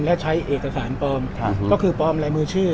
แล้วใช้เอกสารปอมค่ะก็คือปอมรายมือชื่อ